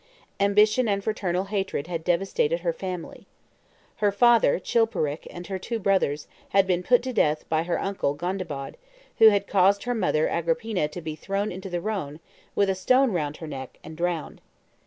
Ambition and fraternal hatred had devastated her family. Her father, Chilperic, and her two brothers, had been put to death by her uncle Gondebaud, who had caused her mother Agrippina to be thrown into the Rhone, with a stone round her neck; and drowned.